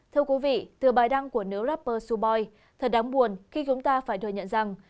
thưa quý vị từ bài đăng của nếu rapper suboi thật đáng buồn khi chúng ta phải thừa nhận rằng